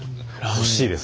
惜しいです！